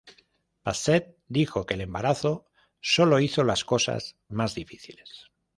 Bassett dijo que el embarazo "solo hizo las cosas más difíciles".